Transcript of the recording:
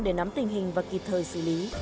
để nắm tình hình và kịp thời xử lý